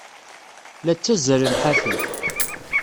La ttazzalen ḥafi.